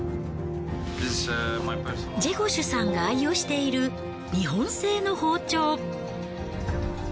ジェゴシュさんが愛用している日本製の包丁。